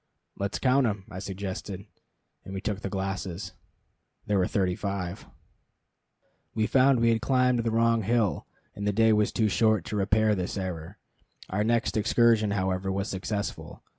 "Let's count'em," I suggested, and we took the glasses. There were thirty five. We found we had climbed the wrong hill, and the day was too short to repair this error. Our next excursion, however, was successful.